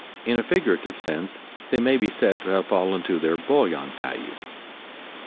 In a figurative sense they may be said to have fallen to their "bullion" value.